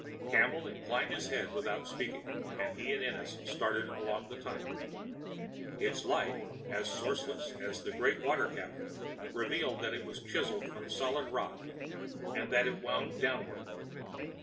Campbell inclined his head without speaking, and he and Ennis started along the tunnel. Its light, as sourceless as that of the great water cavern, revealed that it was chiseled from solid rock and that it wound downward.